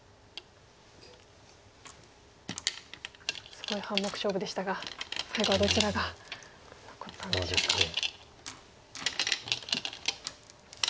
すごい半目勝負でしたが最後はどちらが残ったんでしょうか。